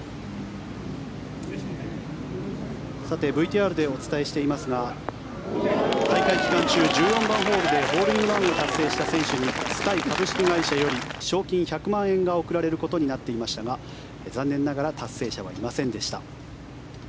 ＶＴＲでお伝えしていますが大会期間中、１４番ホールでホールインワンを達成した選手にＳｋｙ株式会社より賞金１００万円が贈られることになっていましたが残念ながら達成者はいませんでした。